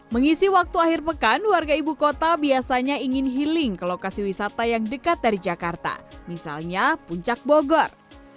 mengisi waktu akhir pekan warga ibu kota biasanya ingin healing ke lokasi wisata yang dekat dari jakarta misalnya puncak bogor